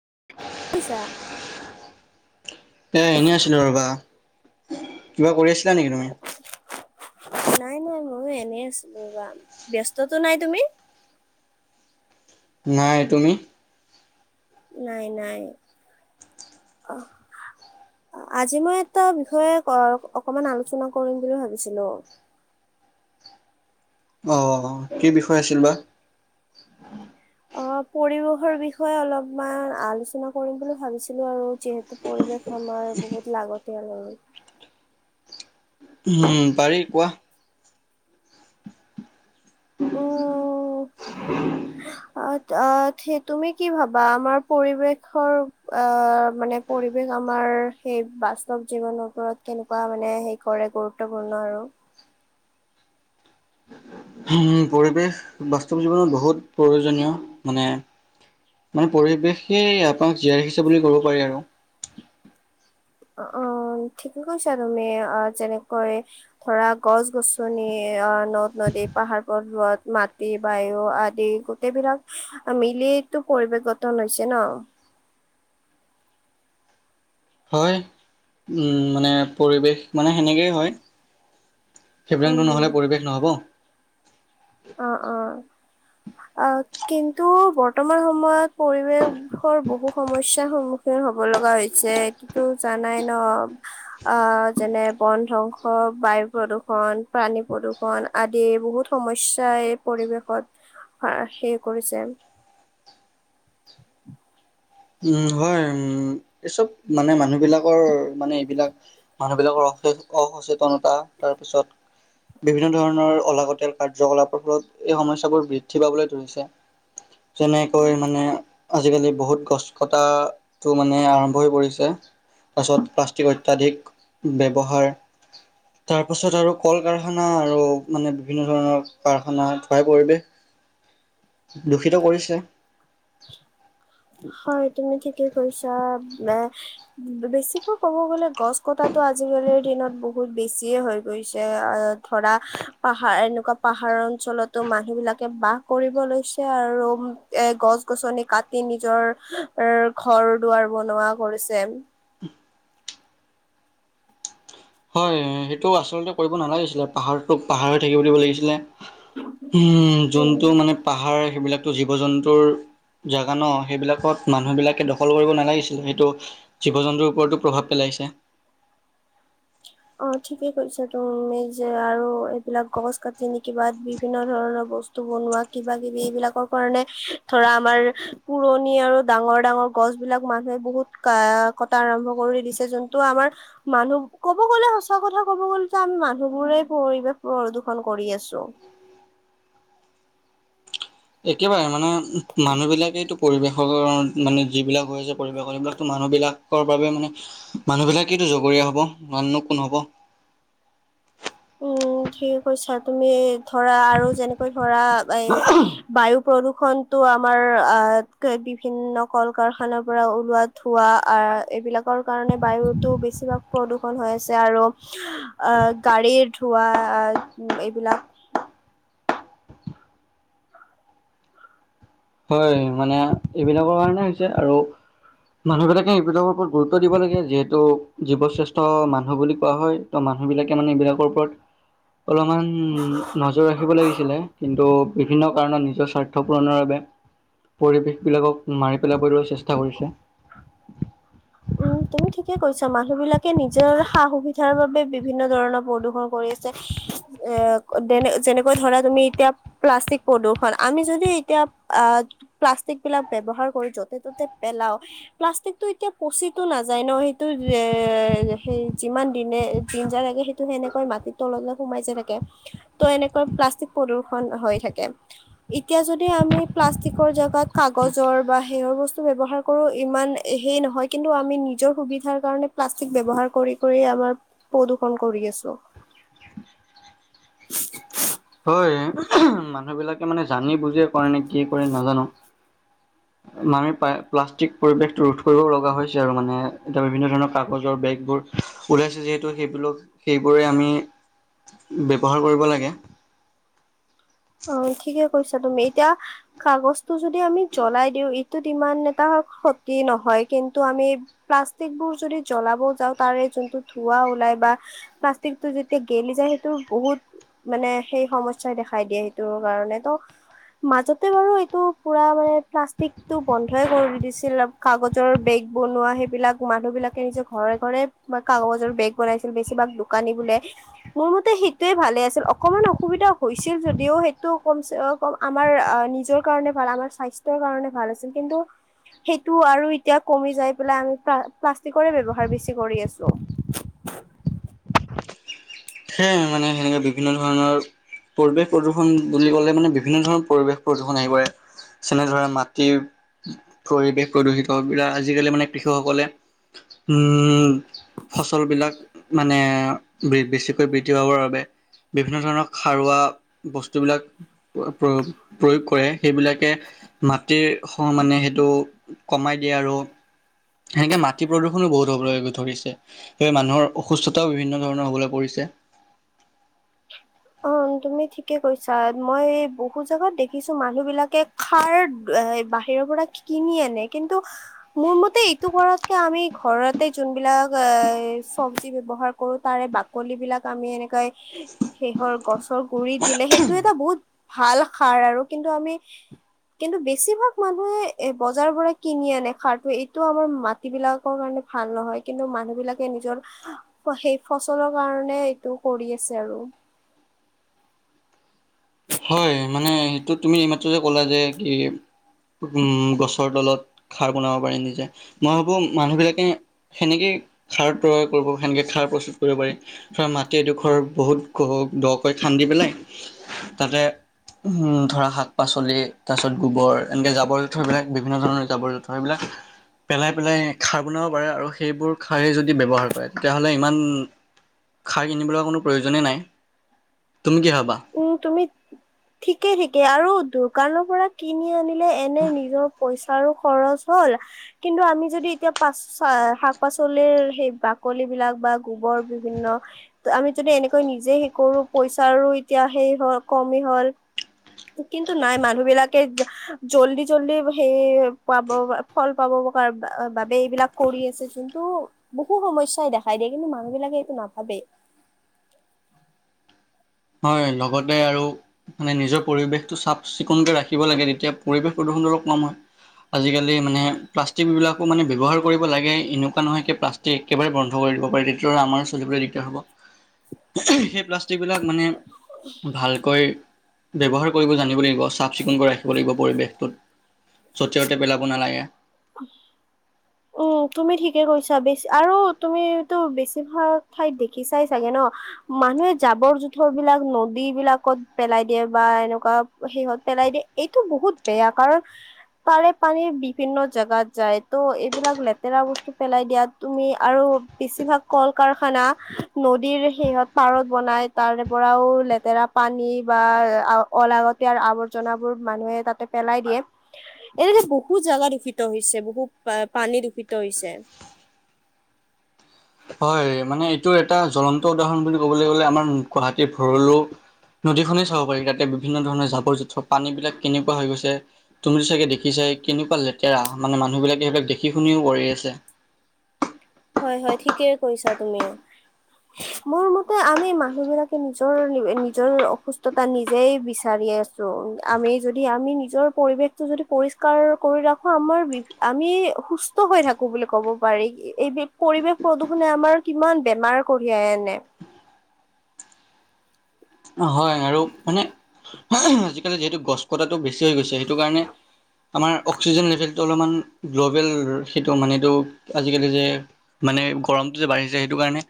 [unintelligible] এ এনেই আছিলো ৰবা। কিবা কৰি আছিলা নেকি তুমি? নাই নাই ময়ো এনে আছিলো ৰবা। ব্যস্ততো নাই তুমি? নাই। তুমি? নাই নাই। অ' আজি মই এটা বিষয়ে অকমান আলোচনা কৰিম বুলি ভাবিছিলো। আহ কি বিষয় আছিল বা? অ' পৰিবেশৰ বিষয়ে অলপমান আলোচনা কৰিম বুলি ভাবিছিলো আৰু যিহেতু পৰিৱেশ আমাৰ বহুত লাগতিয়াল আৰু। উম পাৰি কোৱা। অ'। [inaudible] অ' তুমি কি ভাবা আমাৰ পৰিৱেশৰ আহ মানে পৰিৱেশ আমাৰ সেই বাস্তৱ জীৱনৰ ওপৰত কেনেকুৱা মানে হে কৰে গুৰুত্বপূৰ্ণ আৰু? উ পৰিৱেশ বাস্তৱ জীৱনত বহুত প্ৰয়োজনীয় মানে মানে পৰিৱেশেই আপোনাক জীয়াই ৰাখিছে বুলি ক'ব পাৰি আৰু। অ' ঠিকে কৈছা তুমি অ' যেনেকৈ ধৰা গছ গছনি অ' নদ নদী পাহাৰ প‌ৰ্বত মাটি, বায়ু আদি গোটেইবিলাক মিলি-টো পৰিৱে গঠন হৈছে ন। হয়। উম মানে পৰিৱেশ মানে হেনেকেই হয় শিবৰাংনো উম নহ'লে পৰিৱেশ নহ'ব অ, অ'। অ', কিন্তু বৰ্তমান সময়ত পৰিৱেশ শৰ বহু সমস্যা সন্মু [unintelligible] হব লগা হৈছে। কিটো জানাই ন, আ-আ যেনে-বন ধ্বংস, বায়ু প্ৰদূষণ, প্ৰাণী প্ৰদূষণ আদি বহুত সমইচ [unintelligible] পৰিৱেশত ফাৰ শে কৰিছে। উম হয়। উ উ ম এইচব মানে মানুহ বিলাক ক ৰ, মানে এইবিলাক মানুহবিলাকৰ এসেছ অসচেতনতা, তাৰ পিছত বিভিন্ন ধৰণৰ অলাগতিয়াল কাৰ্যকলাপৰ ফলত এই সমস্যাবোৰ বৃদ্ধি পাবলৈ ধৰিছে। যেনে কৈ মানে আজিকালি বহুত গছ কটা টো মানে আৰম্ভ হৈ পৰিছে, তাৰপাছত প্লাষ্টিক অত্যাধিক ব্যৱহাৰ, তাৰ পাছত আৰু কল কাৰখানা আৰু মানে বিভিন্ন ধৰণৰ কাৰখানা ধুৱাই পৰিৱেশ দূষিত কৰিছে! হয় তুমি ঠিকে কৈছা এ বেছিকৈ কব গলে গছ কটাাতটো আজিকালিৰ দিনত বহুত বেছিয়ে হৈ গৈছে ধৰা পাহাৰ এনেকুৱা পাহাৰ অঞ্চলতো মানুহ বিলাকে বাহ কৰিব লৈছে আৰু এ গছ গছনি কাট দি নিজৰ ৰ ঘৰ দুৱাৰ বনোৱা কৰিছে। হয়, হেইটো আচলতে কইব নালাগিছিলে। পাহাৰটোক পাহাৰ হৈ থাকিব দিব লাগিছিলে। হু উ ম, উম যোনটো মানে পাহাৰ হেবিলাক টো জীৱ জন্তুৰ জাগা ন। হেইবিলাকত মানুহবিলাকে দশল কৰিব নালাগিছিল, হেইটো জীৱ-জন্তুৰ ওপৰতো প্ৰভাৱ পেলাইছে। অ ঠিকেই কৈছা তু মি। যে আৰু এইবিলাক গছ কাটি নে কিবা বিভিন্ন ধৰণৰ বস্তু বনোৱা কিবা- কিবি এইবিলাকৰ কাৰণে ধৰা, আমাৰ পুৰণি আৰু ডাঙৰ-ডাঙৰ গছ বিলাক মানুহে বহুত কা আ কটা আৰম্ভ কৰি দিছে, যোনটো আমাৰ মানুহ কোব ক'ব গলে, সঁচা কথা ক'ব গ'লে যে, আমি মানুহবোৰে পৰিবেশ প্ৰদূষণ কৰি আছো। একেবাৰে মানে, উহ, মানুহ বিলাকেইটো পৰিৱেশৰ, মানে যিবিলাক হৈ আছে পৰিৱেশৰ হেবিলাকটো মানুহ বিলাকৰ বাবে মানে, মানুহ বিলাকেইটো জগৰীয়া হব! অননো কোন হব? উম, ঠিক কৈছা তুমি। ধৰা, আৰু যেনেকৈ ধৰা, এই বায়ুপ প্ৰদূষণটো আমাৰ আ বিভিন্ন কল-কাৰখানাৰ পৰা ওলোৱা ধোৱা আ আ এইবিলাকৰ কাৰণে বায়ুতো বেছিভাগ প্ৰদূষণ হৈ আছে আৰু আ গাড়ীৰ ধোৱা আ ইট এইবিলাক হয়। মানে এইবিলাকৰ কাৰণে হৈছে, আৰু মানুহ বিলাকে এইবিলাকৰ ওপৰত গুৰুত্ব দিব লাগে, যিহেতু জীৱ শ্ৰেষ্ঠ মানুহ বুলি কোৱা হয় ত মানুহ বিলাকে মানে এইবিলাকৰ ওপৰত অলমান নজৰ ৰাখিব লাগিছিলে, কিন্তু বিভিন্ন কাৰণত নিজৰ স্বাৰ্থ পূৰণৰ বাবে পৰিৱেশবিলাকক মাৰি পেলাবলৈ চেষ্ঠা কৰিছে। উম তুমি ঠিকে কৈছা। মানুহ বিলাকে নিজৰ সা- সুবিধাৰ বাবে বিভিন্ন ধৰণৰ প্ৰদূষণ কৰি আছে। এ দেনে যেনেকৈ ধৰা, তুমি এতিয়া প্লাষ্টিক প্ৰদূষণ। আমি যদি এতিয়া আহ প্লাষ্টিক বিলাক ব্যৱহাৰ কৰি য'তে ত'তে পেলাও, প্লাষ্টিকটো এতিয়া পচিটো নাযায় ন! হেইটো [unintelligible] হেই যিমান দিনে দিন যায় থাকে হেইটো হেনেকৈ মাটিত তললৈ সোমাই যায় থাকে। ত এনেকৈ প্লাষ্টিক প্ৰদূষণ হৈ থাকে। ইতিয়া যদি আমি প্লাষ্টিকৰ জাগাত কাগজৰ বা হেয়ৰ বস্তু ব্যৱহাৰ কৰো, ইমান হেই নহয় ক কিন্তু আমি নিজৰ সুবিধাৰ কাৰণে প্লাষ্টিক ব্যৱহাৰ কৰি কৰি আমাৰ প্ৰদূ্ষন কৰি আছো। [inaudible] হয়। [unintelligible] মানুহ বিলাকে মানে জানি বুজিয়ে [inaudible] কি কৰিম নাজানো। মামে পায়, প্লাষ্টিক পৰিৱেশটো ৰোধ কৰিব লগা হৈছে আৰু মানে, এতিয়া বিভিন্ন ধৰণৰ কাগজৰ বেগবোৰ ওলাইছে যিহেতু, সেইবোলোক সেইবোৰে আমি ব্যৱহাৰ কৰিব লাগে। অ' ঠিকে কৈছা তুমি ইতিয়া কাগছটো যদি আমি জ্বলাই দিও, ইটোত ইমান এটা ক্ষতি নহয়, কিন্তু আমি প্লাষ্টিক বোৰ যদি জ্বলাব যাও তাৰে যোনটো ধোৱা ওলাই বা প্লাষ্টিকটো যেতিয়া গেলি যায় হেইটো বহুত মানে, সেই সমস্যাই দেখাই দিয়ে হেইট টো কাৰণে ত' মাজতে বাৰু এইটো পুৰা মানে প্লাষ্টিকটো বন্ধই কৰি দিছিলে। কাগজৰ বেগ বনোৱা হেইবিলাক মানুহবিলাকে নিজে ঘৰে-ঘৰে তোমা কাগজৰ বেগ বনাইছিল বেছিভাগ দোকানী বোলে। মোৰ মতে সেইটোয়ে ভালে আছিল। অকমান অসুবিধা হৈছিল যদিও হেইট টো কমছে অ কম আমাৰ আ নিজৰ কাৰণে ভাল, আমাৰ স্বাস্থ্যৰ কাৰণে ভাল আছিল, কিন্তু সেইটো আৰু ইতিয়া কমি যাই পেলাই আমি প্লা-প্লাষ্টিকৰে ব্যৱহাৰ বেছি কৰি আছো। সেয়ে, মানে হেনেকে বিভিন্ন ধৰণৰ পৰিৱেশ প্ৰদূষণ বুলি ক'লে মানে বিভিন্ন ধৰণৰ পৰিৱেশ প্ৰদূষণ আহি পৰে। যেনে ধৰা, মাটিৰ পৰিৱেশ প্ৰদূষিত বিলা, আজিকালি মানে কৃষকসকলে উম ফচল বিলাক মানে বে বেছি [unintelligible] বৃদ্ধি পাবৰ বাবে। বিভিন্ন ধৰণৰ সাৰুৱা বস্তুবিলাক প্ৰ-প্ৰয়োগ-প্ৰয়োগ কৰে, সেইবিলাকে মাটিৰ স-মানে হেইটো কমাই দিয়ে আৰু, এনেকে মাটি প্ৰদূ্ষণো বহুত হ'বলৈ ধৰিছে, সেয়ে মানুহৰ অসুস্থতাও বিভিন্ন ধৰণৰ হ'বলৈ পৰিছে। অ', তুমি ঠিকে কৈছা, মই বহুত জাগাত দেখিছো মানুহবিলাকে খাৰ এ বাহিৰৰ পৰা কিনি আনে, কিন্তু মোৰ মতে এইটো কৰাতকে আমি ঘৰতে যোনবিলাক এ চব্জী ব্যৱহাৰ কৰো তাৰে বাকলিবিলাক আমি এনেকৈ সেহৰ গছৰ গুৰি দিলে সেইটো এটা বহুত ভাল সাৰ আৰু, কিন্তু আমি কিন্তু বেছিভাগ মানুহে এ বজাৰৰ পৰা কিনি আনে সাৰটো, এইটো আমাৰ মাটিবিলাকৰ কাৰণে ভাল নহয়, কিন্তু মানুহ বিলাকে নিজৰ সেই ফচলৰ কাৰণে এইটো কৰি আছে আৰু। হয়, মানে এইটো তুমি এইমাত্ৰ যে ক'লা, যে কি উম, গছৰ তলত খাৰ বনাব পাৰি নিজে, মই ভাবোঁ মানুহবিলাকে সেনেকেই খাৰ ত্ৰয় কৰিব সেনেকে খাৰ প্ৰস্তুত কৰিব পাৰি, ধৰা, মাটি এডোখৰ বহুত দহ দকৈ খান্দি পেলাই তাতে হুম, ধৰা শাক পাচলি তাৰপিছত গোবৰ এনেকে জাবৰ-জোঁথৰবিলাক বিভিন্ন ধৰণৰ জাবৰ-জোঁথৰ সেইবিলাক পেলাই-পেলাই খাৰ বনাব পাৰে আৰু সেইবোৰ খাৰেই যদি ব্যৱহাৰ কৰে তেতিয়াহ'লে ইমান খাৰ কিনিবলৈ কোনো প্ৰয়োজনেই নাই, তুমি কি ভাবা? উম, তুমি ঠিকে, ঠিকে আৰু দোকানৰ পৰা কিনি আনি নে এনে নিজৰ পইচ তাৰো খৰচ হ'ল, কিন্তু আমি যদি এতিয়া পাচ এ শাক- পাচলিৰ সেই বাকলিবিলাক বা গোবৰ বিভিন্ন, তে আমি যদি এনেকৈ নিজে হেই কৰো পইচাৰো তিয়া হেই হ', কমি হ'ল কিন্তু নাই, মানুহবিলাকে জা জল্দি জল্দি হেই পাব ফল পাব কা বা বাবে এইবিলাক কৰি আছে, যোনটো বহু সমস্যাই দেখাই দিয়ে। কিন্তু মানুহবিলাকে এইটো নাভাবেই। হয়, লগতে আৰু মানে নিজৰ পৰিৱেশটো চাফ-চিকুণকে ৰাখিব লাগে, তেতিয়া পৰিৱেশ প্ৰদূষণটো অলপ কম হয়। আজিকালি মানে প্লাষ্টিকবিলাকো মানে ব্যৱহাৰ কৰিব লাগে এনেকুৱা নহয় সেই প্লাষ্টিক একেবাৰে বন্ধ কৰি দিব পাৰে, তেতিয়া আমাৰ চলিবলৈ দিগদাৰ হ'ব। সেই প্লাষ্টিকবিলাক মানে ভালকৈ ব্যৱহাৰ কৰিব জানিব লাগিব, চাফ-চিকুণকৈ ৰাখিব লাগিব পৰিৱেশটোত, য'তে-ত'তে পেলাব নালাগে। উম, তুমি ঠিকে কৈছা বেছি আৰু তুমিটো বেছিভাগ ঠাইত দেখিছাই চাগে ন, মানুহে জাবৰ-জোথৰবিলাক নদীবিলাকত পেলাই দিয়ে বা এনেকুৱা সেহত পেলাই দিয়ে, এইটো বহুত বেয়া কাৰণ তাৰে পানী বিভিন্ন জাগাত যায়, ত' অ, এইবিলাক লেতেৰা বস্তু পেলাই দিয়াত তুমি আৰু বেছিভাগ কল-কাৰখানা, নদীৰ সেহত পাৰত বনাই, তাৰ পৰাও লেতেৰা পানী বা আ, অ-লাগতিয়াল আৱৰ্জনাবোৰ মানুহে তাতে পেলাই দিয়ে, এনে বহুত জাগা দূষিত হৈছে, বহুত পা পানী দূষিত হৈছে। হয়, মানে এইটোৰ এটা জ্বলন্ত উদাহৰণ বুলি ক'বলৈ গলে আমাৰ গুৱাহাটীৰ ভৰলো নদী খনে চাব পাৰি, তাতে বিভিন্ন ধৰণৰ জাবৰ-জোঁথৰ পানীবিলাক কেনেকুৱা হৈ গৈছে, তুমি চাগে দেখিছাই, কেনেকুৱা লেতেৰা! মানে মানুহবিলাকে সেইবিলাক দেখি-শুনিও কৰি আছে। হয়-হয় ঠিকেই কৈছা তুমি। মোৰ মতে আমি মানুহবিলাকে নিজৰ নিজৰ অসুস্থতা নিজেই বিচাৰি আছো। আমি যদি আমি নিজৰ পৰিৱেশটো যদি পৰিষ্কাৰ কৰি ৰাখো আমাৰ বি আমি সুস্থ হৈ থাকো বুলি কব পাৰি, এইবি পৰিৱেশ প্ৰদূষণে আমাৰ কিমান বেমাৰ কঢ়িয়াই আনে। হয় আৰু মানে আজিকালি যিহেতু গছ কটাটো বেছি বেছি হৈ গৈছে, সেইটো কাৰণে আমাৰ অক্সিজেন লেভেলটো অলপমান গ্ল'বেল সেইটো মানে এইটো আজিকালি যে মানে গৰমটো যে বাঢ়িছে, সেইটো কাৰণে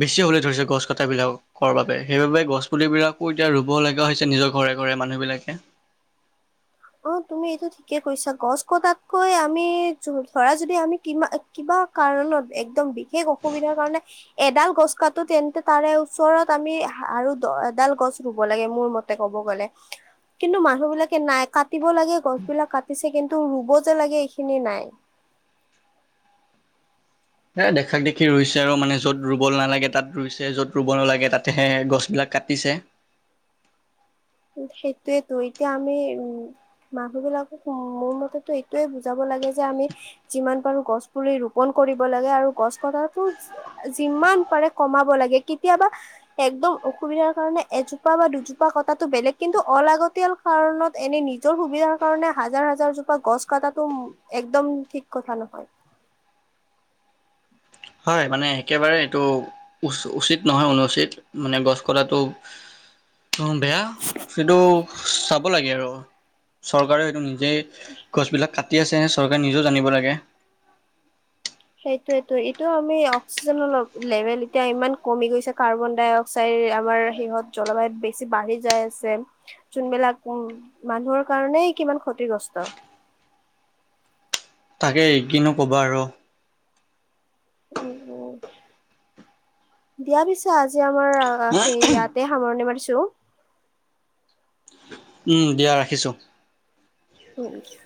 বেছি হ'বলৈ ধৰিছে গছ কটাবিলাকৰ বাবে, সেইবাবে গছপুলিবিলাকো এতিয়া ৰুব লগা হৈছে নিজৰ ঘৰে-ঘৰে মানুহবিলাকে। কি কৈছা? গছ কটাতকৈ আমি য ধৰা যদি আমি কিবা কিবা কাৰণত একদম বি সেই অসুবিধাৰ কাৰণে এডাল গছ কাটোতে তেন্তে তাৰে ওচৰত আমি আৰু এডাল গছ ৰুব লাগে মোৰ মতে ক'ব গ'লে। কিন্তু মানুহবিলাকে নাই কাট কাটিব লাগে গছবিলাক কাটিছে, কিন্তু ৰুব যে লাগে এইখিনি নাই। হে দেখাক দেখি ৰুইছে আৰু মানে য'ত ৰুব নালাগে তাত ৰুইছে, য'ত ৰুব নালাগে তাতেহে গছবিলাক কাটিছে। সেইটোয়েটো এতিয়া আমি উম, মানুহ বিলাকক মোৰ মতেতো এইটোয়ে বুজাব লাগে যে, আমি যিমান পাৰো গছ পুলি ৰোপন কৰিব লাগে আৰু গছ কটাটো যিমান পাৰে কমাব লাগে, কেতিয়াবা একদম অসুবিধাৰ কাৰণে এজোপা বা দুজোপা কট তাতো বেলেগ, কিন্তু অলাগতিয়াল কাৰণত এনে নিজৰ সুবিধাৰ কাৰণে হাজাৰ-হাজাৰ জোপা গছ কটাটো উম, একদম ঠিক কথা নহয়। হয়, মানে একেবাৰে এইটো উচ উচিত নহয় অনুচিত মানে গছ কটাটো উ বেয়া, সেইটো চাব লাগে আৰু চৰকাৰেও ইটো নি যে গছবিলাক কাটি আছে চৰকাৰে নিজেও জানিব লাগে। সেইটোয়েটো, এইটো আমি অক্সিজেনৰ ল লেভেল এতিয়া ইমান কমি গৈছে কাৰ্বন-ডাই-অক্সাইড আমাৰ সিহত জলবায়ুত বেছি বাঢ়ি যাই আছে, যোনবিলাক মানুহৰ কাৰণেই কিমান ক্ষতিগ্ৰস্ত। তাকেই কিনো কবা আৰু? উম, দিয়া পিছে আজি এতিয়া আমাৰ সেই ইয়াতে সামৰণি মাৰিছ টো উম, দিয়া ৰাখিছোঁ। [unintelligible]